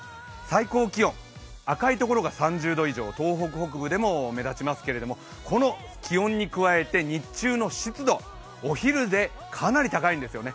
最高気温、赤いところが３０度以上東北北部でも目立ちますけれどもこの気温に加えて日中の湿度、お昼でかなり高いんですよね。